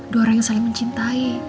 dua orang yang saling mencintai